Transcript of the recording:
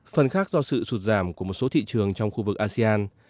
phần khác do sự sụt giảm của một số thị trường trong khu vực asean